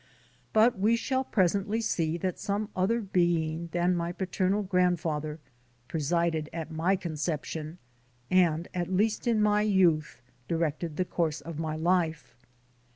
But we shall presently see that some other being than my paternal grandfather presided at my conception and, at least in my youth, directed the course of my life.